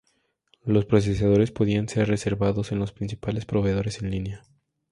Los procesadores podían ser reservados en los principales proveedores en línea.